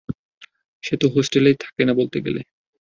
সে তো হোস্টেলে থাকেই না বলতে গেলে।